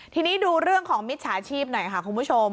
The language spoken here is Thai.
ทีนี้ดูเรื่องของมิจฉาชีพหน่อยค่ะคุณผู้ชม